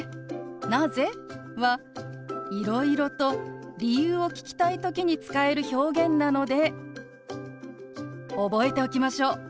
「なぜ？」はいろいろと理由を聞きたい時に使える表現なので覚えておきましょう。